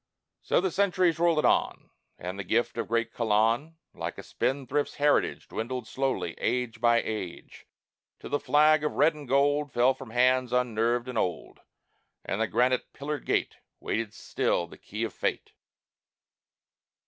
So the centuries rollèd on, And the gift of great Colon, Like a spendthrift's heritage, Dwindled slowly, age by age, Till the flag of red and gold Fell from hands unnerved and old, And the granite pillared gate Waited still the key of fate.